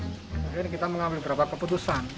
kemudian kita mengambil beberapa keputusan